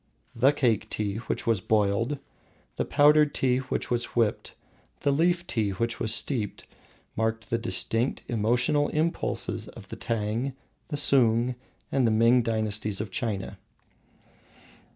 The Cake tea which was boiled, the Powdered tea which was whipped, the Leaf tea which was steeped, mark the distinct emotional impulses of the Tang, the Sung, and the Ming dynasties of China.